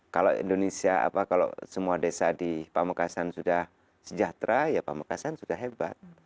kalau indonesia apa kalau semua desa di pamekasan sudah sejahtera ya pamekasan sudah hebat